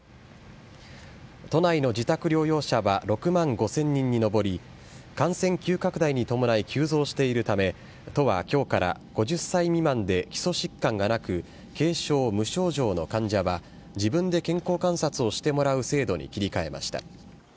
都内の自宅療養者は６万５０００人に上り、感染急拡大に伴い急増しているため、都はきょうから５０歳未満で基礎疾患がなく、軽症・無症状の患者は、自分で健康観察をしてもらう制度に切り替えました。